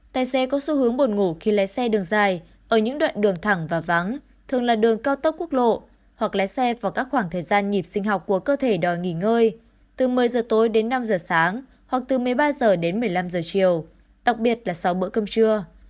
tài xế có xu hướng buồn ngủ khi lấy xe đường dài ở những đoạn đường thẳng và vắng thường là đường cao tốc quốc lộ hoặc lái xe vào các khoảng thời gian nhịp sinh học của cơ thể đòi nghỉ ngơi từ một mươi giờ tối đến năm h sáng hoặc từ một mươi ba h đến một mươi năm h chiều đặc biệt là sau bữa cơm trưa